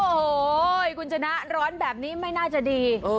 โอ้โหคุณชนะร้อนแบบนี้ไม่น่าจะดี